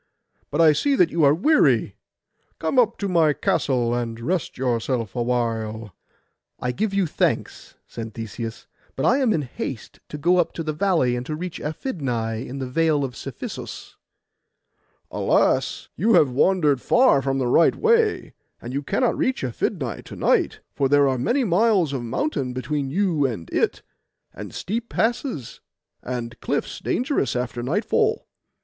But I see that you are weary. Come up to my castle, and rest yourself awhile.' 'I give you thanks,' said Theseus: 'but I am in haste to go up the valley, and to reach Aphidnai in the Vale of Cephisus.' 'Alas! you have wandered far from the right way, and you cannot reach Aphidnai to night, for there are many miles of mountain between you and it, and steep passes, and cliffs dangerous after nightfall.